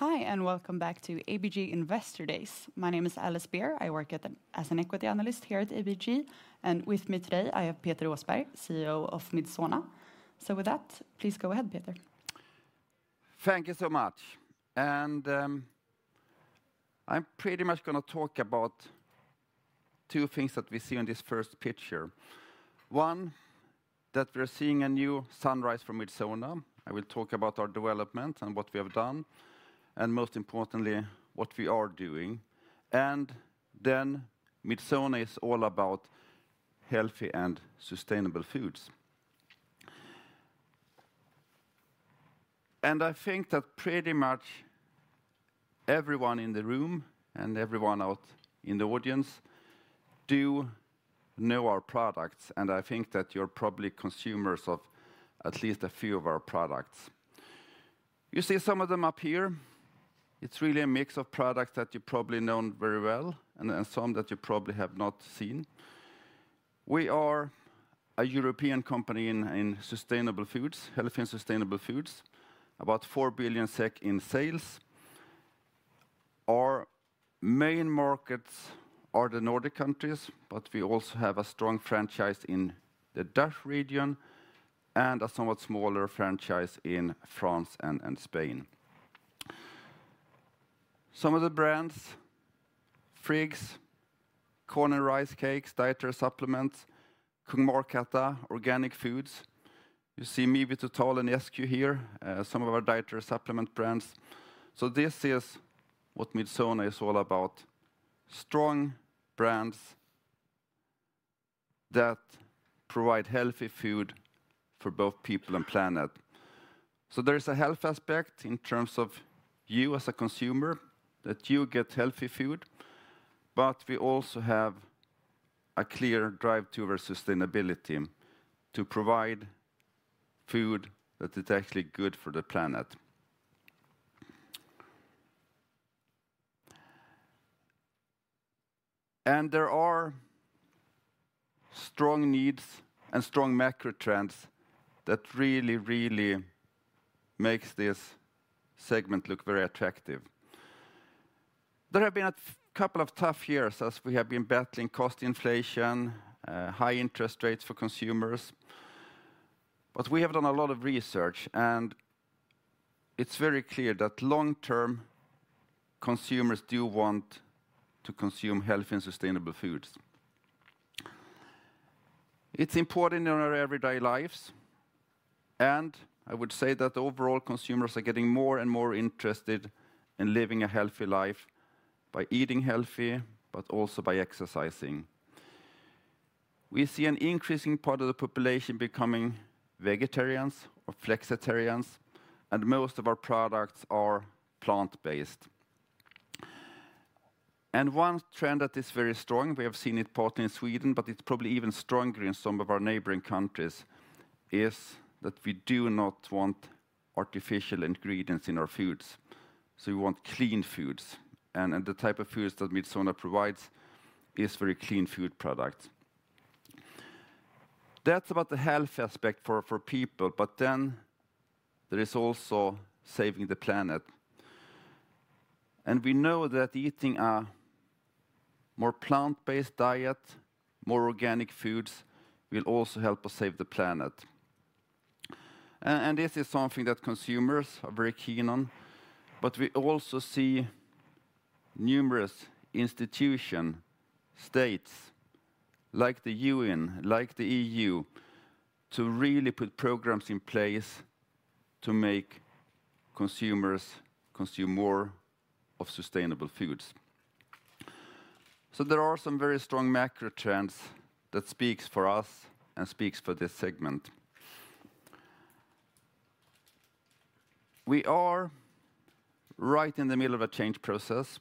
Hi, and welcome back to ABG Investor Days. My name is Alice Beer. I work as an equity analyst here at ABG, and with me today I have Peter Åsberg, CEO of Midsona. So with that, please go ahead, Peter Åsberg. Thank you so much, and I'm pretty much going to talk about two things that we see in this first picture. One, that we're seeing a new sunrise for Midsona. I will talk about our development and what we have done, and most importantly, what we are doing, and then Midsona is all about healthy and sustainable foods, and I think that pretty much everyone in the room and everyone out in the audience do know our products, and I think that you're probably consumers of at least a few of our products. You see some of them up here. It's really a mix of products that you probably know very well and some that you probably have not seen. We are a European company in sustainable foods, healthy and sustainable foods, about four billion SEK in sales. Our main markets are the Nordic countries, but we also have a strong franchise in the DACH region and a somewhat smaller franchise in France and Spain. Some of the brands: Friggs, corn and rice cakes, dietary supplements, Kung Markatta, organic foods. You see Mivitotal and Eskio-3 here, some of our dietary supplement brands. So this is what Midsona is all about: strong brands that provide healthy food for both people and planet. So there is a health aspect in terms of you as a consumer, that you get healthy food, but we also have a clear drive towards sustainability to provide food that is actually good for the planet. And there are strong needs and strong macro trends that really, really make this segment look very attractive. There have been a couple of tough years as we have been battling cost inflation, high interest rates for consumers, but we have done a lot of research, and it's very clear that long-term consumers do want to consume healthy and sustainable foods. It's important in our everyday lives, and I would say that overall consumers are getting more and more interested in living a healthy life by eating healthy, but also by exercising. We see an increasing part of the population becoming vegetarians or flexitarians, and most of our products are plant-based, and one trend that is very strong, we have seen it partly in Sweden, but it's probably even stronger in some of our neighboring countries, is that we do not want artificial ingredients in our foods, so we want clean foods, and the type of foods that Midsona provides is very clean food products. That's about the health aspect for people, but then there is also saving the planet. And we know that eating a more plant-based diet, more organic foods, will also help us save the planet. And this is something that consumers are very keen on, but we also see numerous institutions, states, like the UN, like the EU, to really put programs in place to make consumers consume more of sustainable foods. So there are some very strong macro trends that speak for us and speak for this segment. We are right in the middle of a change process.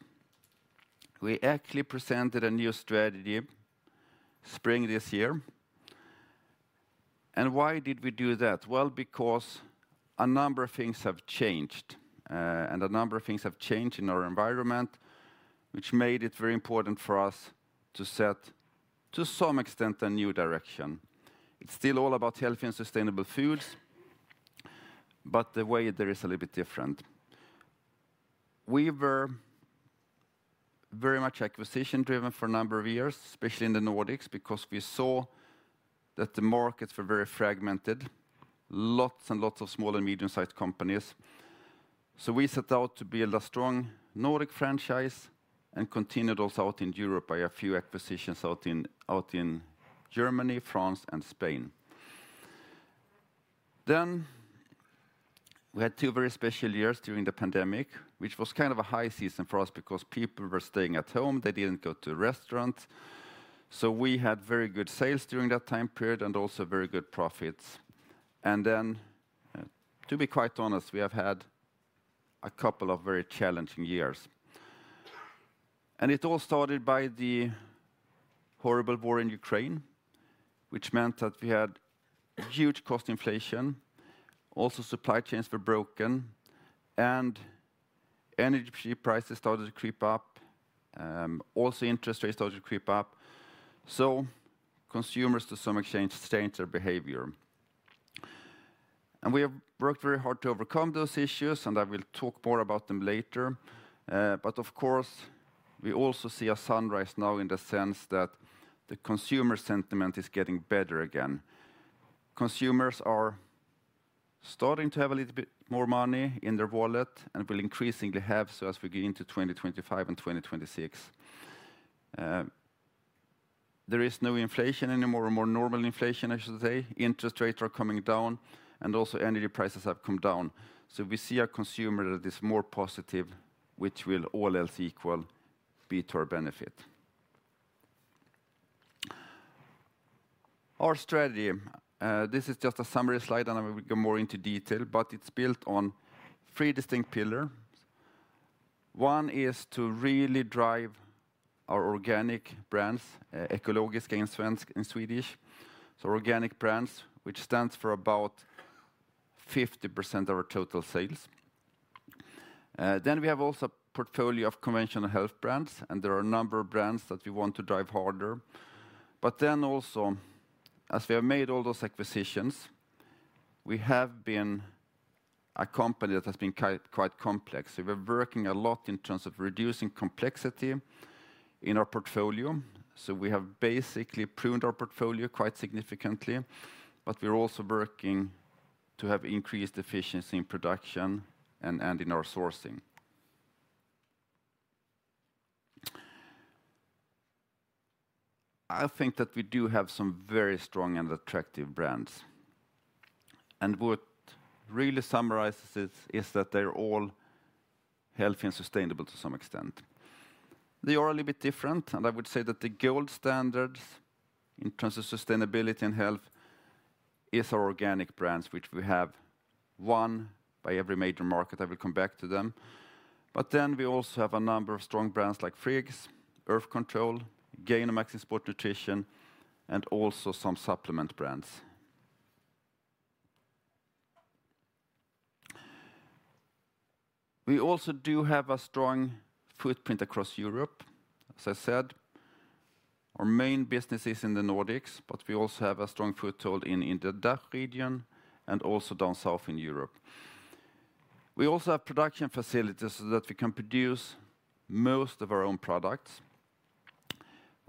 We actually presented a new strategy spring this year. And why did we do that? Well, because a number of things have changed, and a number of things have changed in our environment, which made it very important for us to set, to some extent, a new direction. It's still all about healthy and sustainable foods, but the way there is a little bit different. We were very much acquisition-driven for a number of years, especially in the Nordics, because we saw that the markets were very fragmented, lots and lots of small and medium-sized companies. So we set out to build a strong Nordic franchise and continued also out in Europe by a few acquisitions out in Germany, France, and Spain. Then we had two very special years during the pandemic, which was kind of a high season for us because people were staying at home, they didn't go to restaurants. So we had very good sales during that time period and also very good profits. And then, to be quite honest, we have had a couple of very challenging years. And it all started by the horrible war in Ukraine, which meant that we had huge cost inflation, also supply chains were broken, and energy prices started to creep up, also interest rates started to creep up. So consumers, to some extent, changed their behavior. And we have worked very hard to overcome those issues, and I will talk more about them later. But of course, we also see a sunrise now in the sense that the consumer sentiment is getting better again. Consumers are starting to have a little bit more money in their wallet and will increasingly have so as we go into 2025 and 2026. There is no inflation anymore, more normal inflation, I should say. Interest rates are coming down, and also energy prices have come down. So we see our consumer that is more positive, which will all else equal be to our benefit. Our strategy, this is just a summary slide, and I will go more into detail, but it's built on three distinct pillars. One is to really drive our organic brands, ekologiska in Swedish, so organic brands, which stands for about 50% of our total sales. Then we have also a portfolio of conventional health brands, and there are a number of brands that we want to drive harder. But then also, as we have made all those acquisitions, we have been a company that has been quite complex. We were working a lot in terms of reducing complexity in our portfolio. So we have basically pruned our portfolio quite significantly, but we're also working to have increased efficiency in production and in our sourcing. I think that we do have some very strong and attractive brands. What really summarizes it is that they're all healthy and sustainable to some extent. They are a little bit different, and I would say that the gold standards in terms of sustainability and health are our organic brands, which we have one by every major market. I will come back to them. But then we also have a number of strong brands like Friggs, Earth Control, Gainomax in sports nutrition, and also some supplement brands. We also do have a strong footprint across Europe, as I said. Our main business is in the Nordics, but we also have a strong foothold in the DACH region and also down south in Europe. We also have production facilities so that we can produce most of our own products.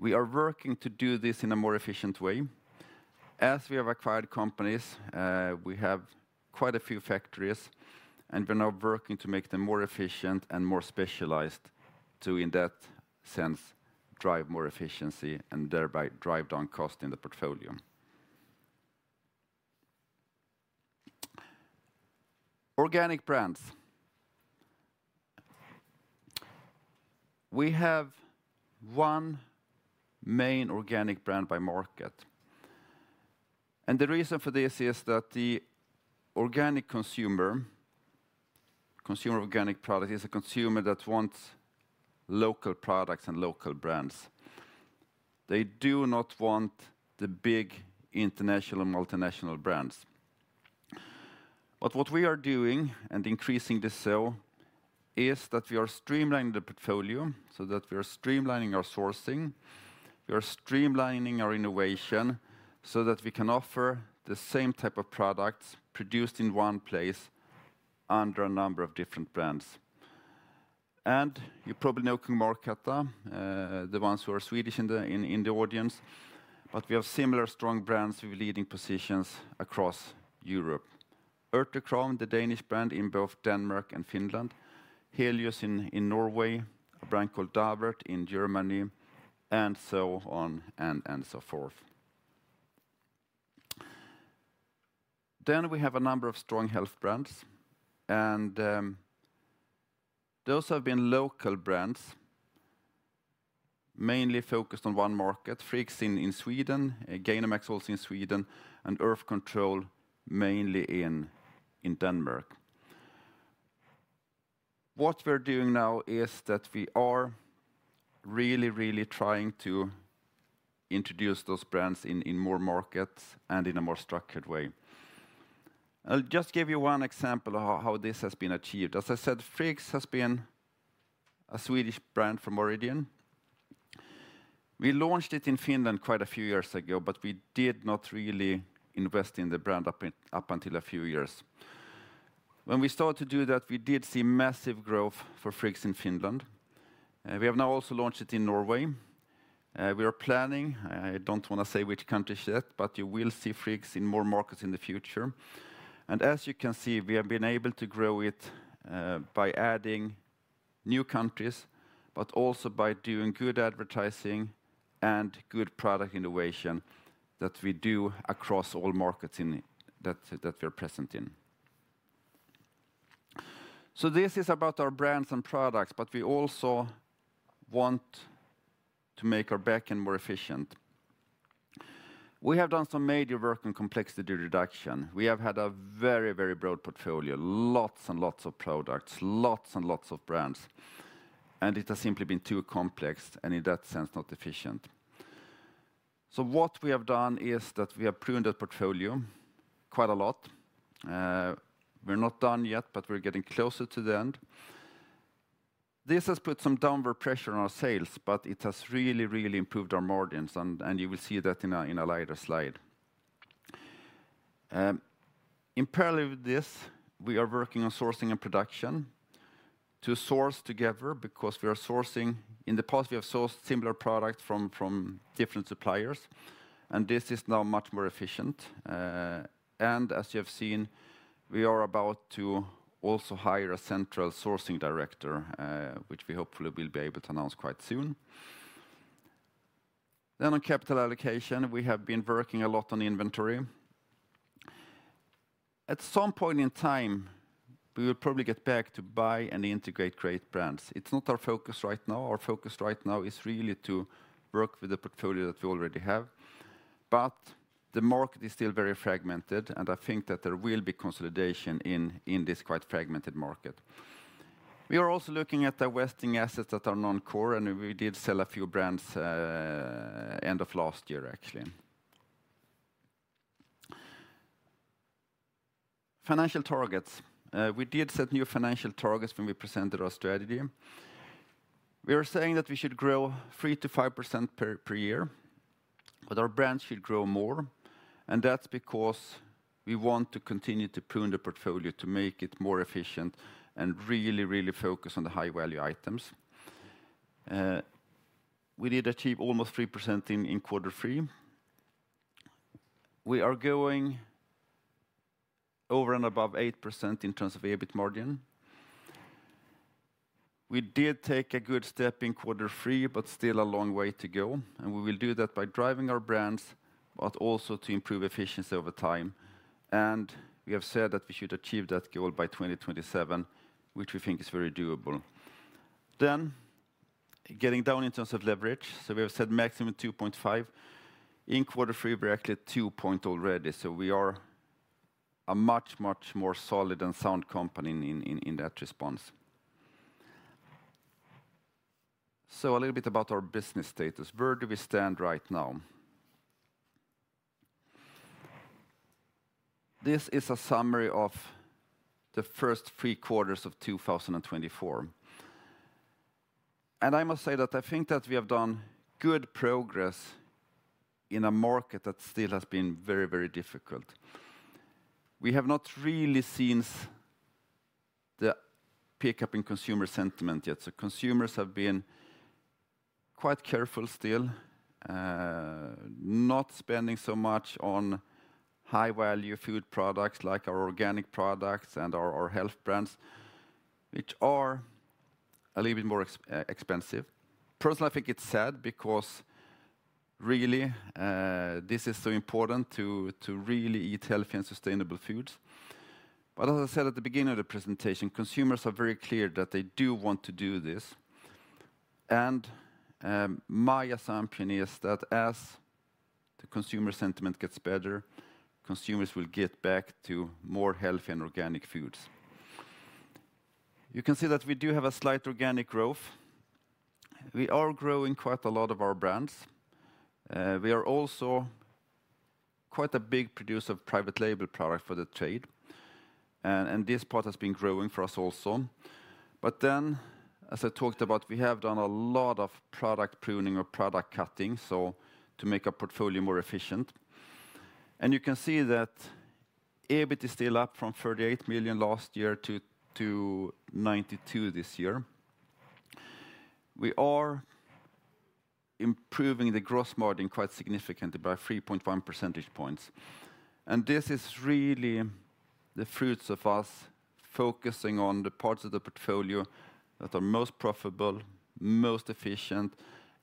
We are working to do this in a more efficient way. As we have acquired companies, we have quite a few factories, and we're now working to make them more efficient and more specialized to, in that sense, drive more efficiency and thereby drive down cost in the portfolio. Organic brands. We have one main organic brand by market. And the reason for this is that the organic consumer, consumer organic product, is a consumer that wants local products and local brands. They do not want the big international and multinational brands. But what we are doing, and increasing the sale, is that we are streamlining the portfolio so that we are streamlining our sourcing, we are streamlining our innovation so that we can offer the same type of products produced in one place under a number of different brands. You probably know Kung Markatta, the ones who are Swedish in the audience, but we have similar strong brands with leading positions across Europe. Urtekram, the Danish brand in both Denmark and Finland, Helios in Norway, a brand called Davert in Germany, and so on and so forth. Then we have a number of strong health brands, and those have been local brands, mainly focused on one market, Friggs in Sweden, Gainomax also in Sweden, and Earth Control mainly in Denmark. What we're doing now is that we are really, really trying to introduce those brands in more markets and in a more structured way. I'll just give you one example of how this has been achieved. As I said, Friggs has been a Swedish brand from origin. We launched it in Finland quite a few years ago, but we did not really invest in the brand up until a few years. When we started to do that, we did see massive growth for Friggs in Finland. We have now also launched it in Norway. We are planning, I don't want to say which countries yet, but you will see Friggs in more markets in the future. And as you can see, we have been able to grow it by adding new countries, but also by doing good advertising and good product innovation that we do across all markets that we are present in. So this is about our brands and products, but we also want to make our backend more efficient. We have done some major work on complexity reduction. We have had a very, very broad portfolio, lots and lots of products, lots and lots of brands, and it has simply been too complex and in that sense not efficient. So what we have done is that we have pruned the portfolio quite a lot. We're not done yet, but we're getting closer to the end. This has put some downward pressure on our sales, but it has really, really improved our margins, and you will see that in a later slide. In parallel with this, we are working on sourcing and production to source together because we are sourcing in the past, we have sourced similar products from different suppliers, and this is now much more efficient. And as you have seen, we are about to also hire a central sourcing director, which we hopefully will be able to announce quite soon. Then, on capital allocation, we have been working a lot on inventory. At some point in time, we will probably get back to buy and integrate great brands. It's not our focus right now. Our focus right now is really to work with the portfolio that we already have, but the market is still very fragmented, and I think that there will be consolidation in this quite fragmented market. We are also looking at our divesting assets that are non-core, and we did sell a few brands end of last year, actually. Financial targets. We did set new financial targets when we presented our strategy. We are saying that we should grow 3%-5% per year, but our brands should grow more, and that's because we want to continue to prune the portfolio to make it more efficient and really, really focus on the high-value items. We did achieve almost 3% in Q3. We are going over and above 8% in terms of EBIT margin. We did take a good step in Q3, but still a long way to go, and we will do that by driving our brands, but also to improve efficiency over time, and we have said that we should achieve that goal by 2027, which we think is very doable, then getting down in terms of leverage, so we have said maximum 2.5 in Q3, we're actually at 2.0 already, so we are a much, much more solid and sound company in that response, so a little bit about our business status. Where do we stand right now? This is a summary of the first three quarters of 2024. I must say that I think that we have done good progress in a market that still has been very, very difficult. We have not really seen the pickup in consumer sentiment yet, so consumers have been quite careful still, not spending so much on high-value food products like our organic products and our health brands, which are a little bit more expensive. Personally, I think it's sad because really this is so important to really eat healthy and sustainable foods. As I said at the beginning of the presentation, consumers are very clear that they do want to do this. My assumption is that as the consumer sentiment gets better, consumers will get back to more healthy and organic foods. You can see that we do have a slight organic growth. We are growing quite a lot of our brands. We are also quite a big producer of private label products for the trade, and this part has been growing for us also. But then, as I talked about, we have done a lot of product pruning or product cutting to make our portfolio more efficient. And you can see that EBIT is still up from 38 million last year to 92 million this year. We are improving the gross margin quite significantly by 3.1 percentage points. And this is really the fruits of us focusing on the parts of the portfolio that are most profitable, most efficient,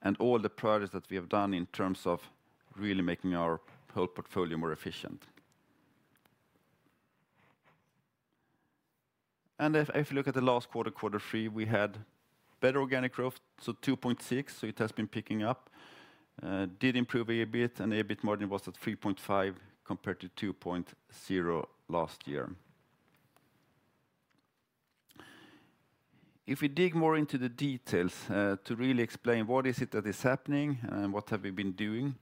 and all the projects that we have done in terms of really making our whole portfolio more efficient. If you look at the last quarter, Q3, we had better organic growth, so 2.6 percentage points, so it has been picking up, did improve a bit, and EBIT margin was at 3.5 percentage points compared to 2.0 percentage pointslast year. If we dig more into the details to really explain what is it that is happening and what have we been doing,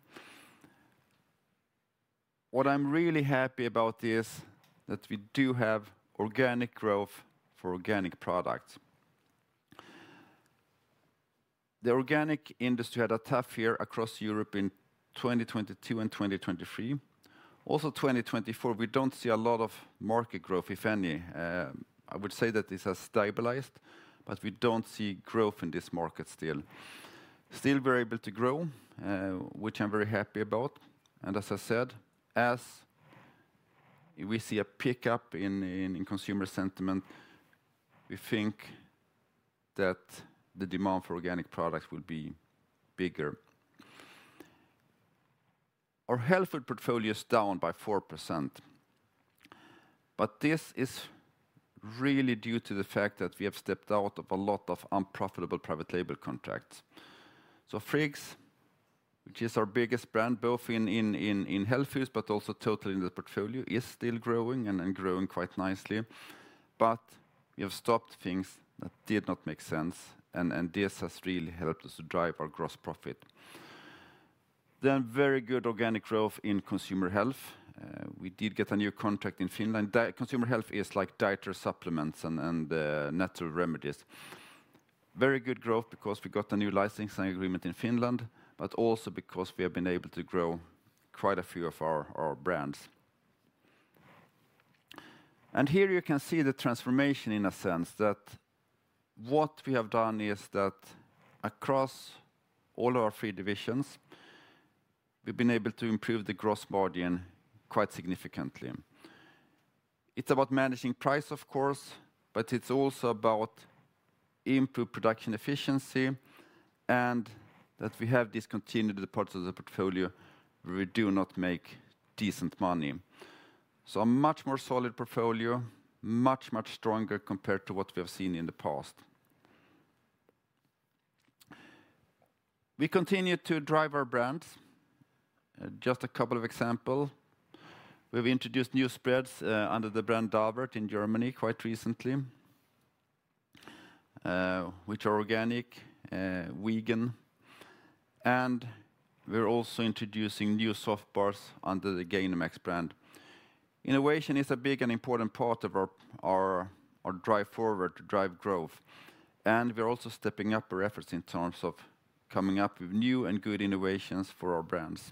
what I'm really happy about is that we do have organic growth for organic products. The organic industry had a tough year across Europe in 2022 and 2023. Also 2024, we don't see a lot of market growth, if any. I would say that this has stabilized, but we don't see growth in this market still. Still, we're able to grow, which I'm very happy about. As I said, as we see a pickup in consumer sentiment, we think that the demand for organic products will be bigger. Our health food portfolio is down by 4%, but this is really due to the fact that we have stepped out of a lot of unprofitable private label contracts. So Friggs, which is our biggest brand, both in health foods, but also totally in the portfolio, is still growing and growing quite nicely. But we have stopped things that did not make sense, and this has really helped us to drive our gross profit. Then very good organic growth in consumer health. We did get a new contract in Finland. Consumer health is like dietary supplements and natural remedies. Very good growth because we got a new licensing agreement in Finland, but also because we have been able to grow quite a few of our brands. Here you can see the transformation in a sense that what we have done is that across all of our three divisions, we've been able to improve the gross margin quite significantly. It's about managing price, of course, but it's also about improved production efficiency and that we have discontinued the parts of the portfolio where we do not make decent money. So a much more solid portfolio, much, much stronger compared to what we have seen in the past. We continue to drive our brands. Just a couple of examples. We've introduced new spreads under the brand Davert in Germany quite recently, which are organic, vegan, and we're also introducing new soft bars under the Gainomax brand. Innovation is a big and important part of our drive forward to drive growth. We're also stepping up our efforts in terms of coming up with new and good innovations for our brands.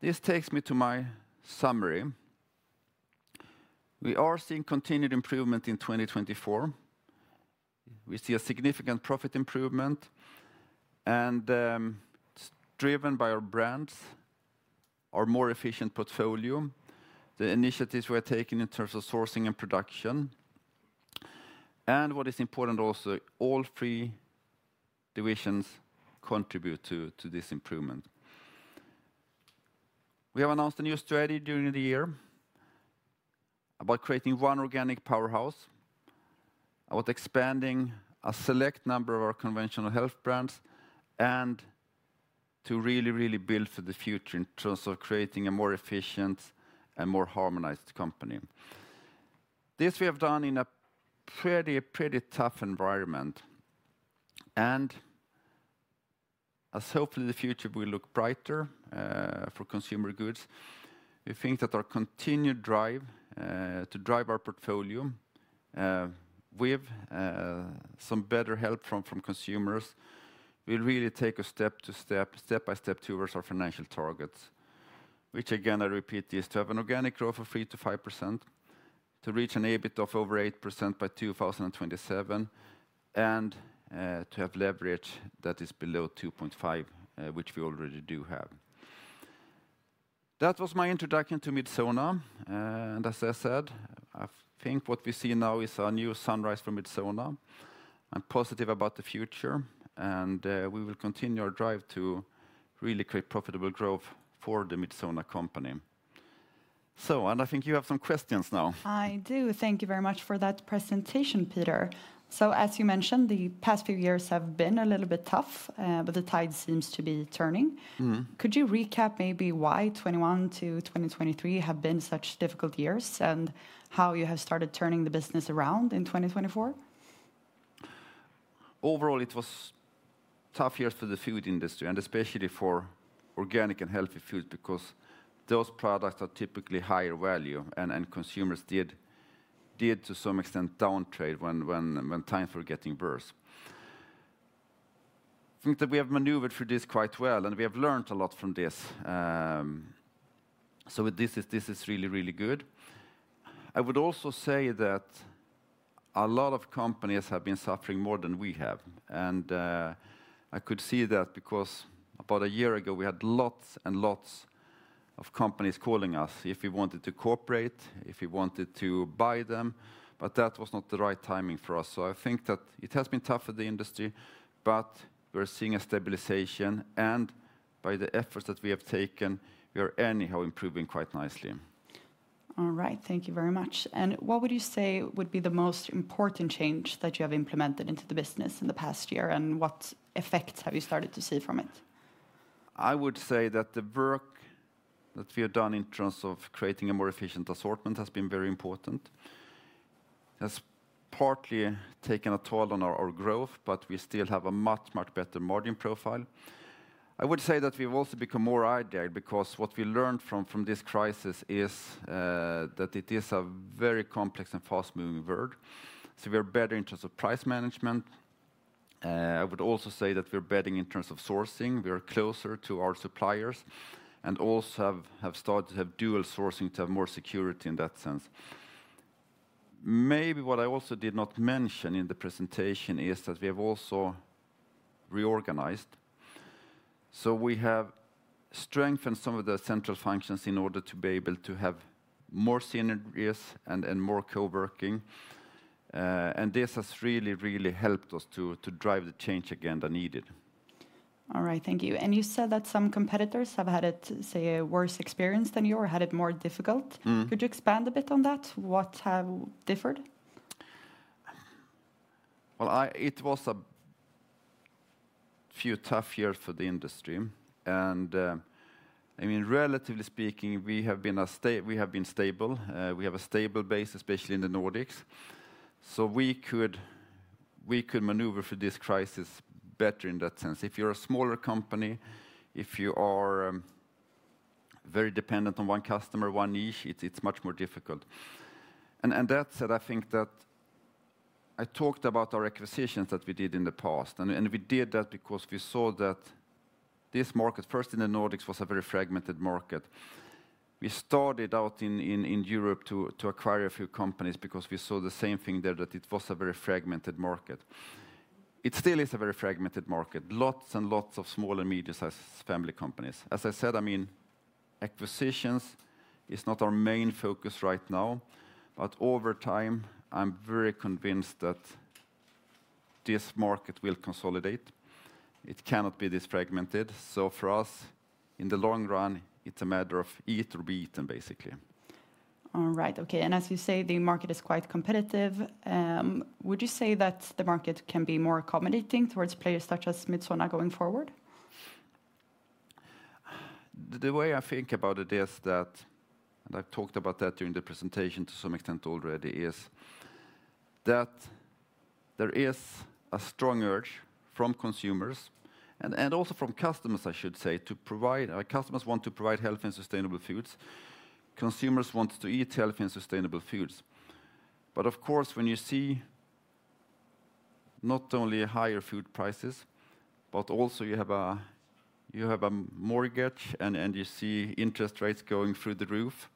This takes me to my summary. We are seeing continued improvement in 2024. We see a significant profit improvement and it's driven by our brands, our more efficient portfolio, the initiatives we are taking in terms of sourcing and production. What is important also, all three divisions contribute to this improvement. We have announced a new strategy during the year about creating one organic powerhouse, about expanding a select number of our conventional health brands, and to really, really build for the future in terms of creating a more efficient and more harmonized company. This we have done in a pretty, pretty tough environment. As hopefully the future will look brighter for consumer goods, we think that our continued drive to drive our portfolio with some better help from consumers will really take us step by step towards our financial targets, which again, I repeat, is to have an organic growth of 3%-5%, to reach an EBIT of over 8% by 2027, and to have leverage that is below 2.5 percentage points, which we already do have. That was my introduction to Midsona. As I said, I think what we see now is a new sunrise for Midsona. I'm positive about the future, and we will continue our drive to really create profitable growth for the Midsona company. So, and I think you have some questions now. I do. Thank you very much for that presentation, Peter Åsberg. So as you mentioned, the past few years have been a little bit tough, but the tide seems to be turning. Could you recap maybe why 2021-2023 have been such difficult years and how you have started turning the business around in 2024? Overall, it was tough years for the food industry, and especially for organic and healthy foods because those products are typically higher value, and consumers did to some extent down-trade when times were getting worse. I think that we have maneuvered through this quite well, and we have learned a lot from this. So this is really, really good. I would also say that a lot of companies have been suffering more than we have. I could see that because about a year ago, we had lots and lots of companies calling us if we wanted to cooperate, if we wanted to buy them, but that was not the right timing for us. I think that it has been tough for the industry, but we're seeing a stabilization, and by the efforts that we have taken, we are anyhow improving quite nicely. All right, thank you very much. What would you say would be the most important change that you have implemented into the business in the past year, and what effects have you started to see from it? I would say that the work that we have done in terms of creating a more efficient assortment has been very important. It has partly taken a toll on our growth, but we still have a much, much better margin profile. I would say that we have also become more agile because what we learned from this crisis is that it is a very complex and fast-moving world, so we are better in terms of price management. I would also say that we're better in terms of sourcing. We are closer to our suppliers and also have started to have dual sourcing to have more security in that sense. Maybe what I also did not mention in the presentation is that we have also reorganized, so we have strengthened some of the central functions in order to be able to have more synergies and more co-working, and this has really, really helped us to drive the change again that needed. All right, thank you, and you said that some competitors have had, say, a worse experience than you or had it more difficult. Could you expand a bit on that? What has differed? It was a few tough years for the industry. I mean, relatively speaking, we have been stable. We have a stable base, especially in the Nordics. So we could maneuver through this crisis better in that sense. If you're a smaller company, if you are very dependent on one customer, one niche, it's much more difficult. That said, I think that I talked about our acquisitions that we did in the past. We did that because we saw that this market, first in the Nordics, was a very fragmented market. We started out in Europe to acquire a few companies because we saw the same thing there, that it was a very fragmented market. It still is a very fragmented market. Lots and lots of small and medium-sized family companies. As I said, I mean, acquisitions is not our main focus right now, but over time, I'm very convinced that this market will consolidate. It cannot be this fragmented. So for us, in the long run, it's a matter of eat or be eaten, basically. All right, okay. And as you say, the market is quite competitive. Would you say that the market can be more accommodating towards players such as Midsona going forward? The way I think about it is that, and I talked about that during the presentation to some extent already, is that there is a strong urge from consumers and also from customers, I should say, to provide. Our customers want to provide healthy and sustainable foods. Consumers want to eat healthy and sustainable foods. But of course, when you see not only higher food prices, but also you have a mortgage and you see interest rates going through the roof,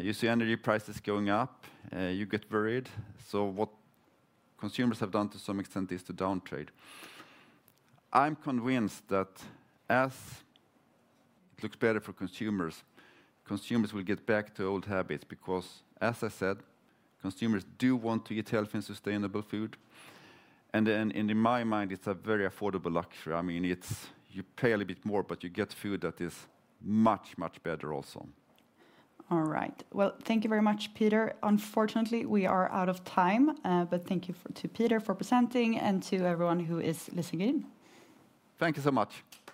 you see energy prices going up, you get worried. So what consumers have done to some extent is to down-trade. I'm convinced that as it looks better for consumers, consumers will get back to old habits because, as I said, consumers do want to eat healthy and sustainable food. And in my mind, it's a very affordable luxury. I mean, you pay a little bit more, but you get food that is much, much better also. All right. Well, thank you very much, Peter Åsberg. Unfortunately, we are out of time, but thank you to Peter Åsberg for presenting and to everyone who is listening in. Thank you so much.